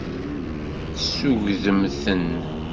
Tessugdem-ten.